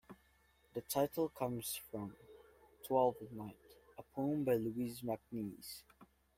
The title comes from "Twelfth Night", a poem by Louis MacNeice.